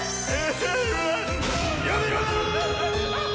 やめろ！